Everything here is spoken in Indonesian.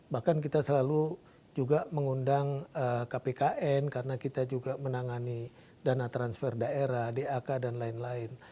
bahkan kita selalu juga mengundang kpkn karena kita juga menangani dana transfer daerah dak dan lain lain